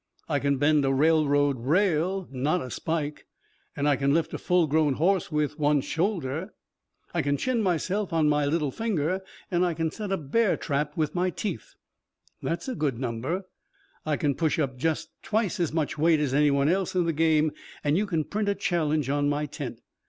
"I can bend a railroad rail not a spike. I can lift a full grown horse with one one shoulder. I can chin myself on my little finger. I can set a bear trap with my teeth " "That's a good number." "I can push up just twice as much weight as any one else in the game and you can print a challenge on my tent.